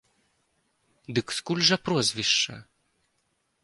Дык скуль жа прозвішча?